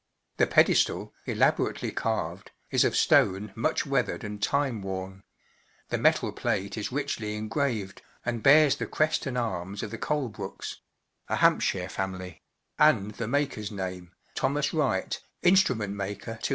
The pedestal, elaborately carved, is of stone much weathered and time worn; the metal plate is richly engraved, and hears the crest and arms of the Colebrooks—a Hampshire family—and the makers name, “Thomas Wright, Instrument Maker to H.